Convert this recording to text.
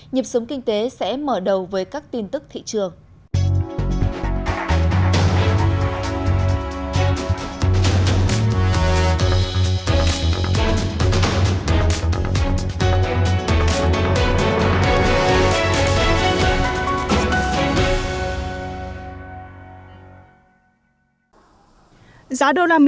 nhịp sống kinh tế sẽ mở đầu với các tin tức thị trường